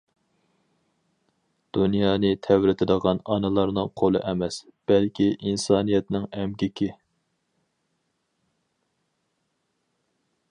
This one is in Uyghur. دۇنيانى تەۋرىتىدىغان ئانىلارنىڭ قولى ئەمەس، بەلكى ئىنسانىيەتنىڭ ئەمگىكى!